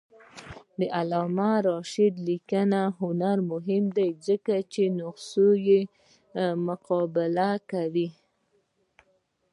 د علامه رشاد لیکنی هنر مهم دی ځکه چې نسخو مقابله کوي.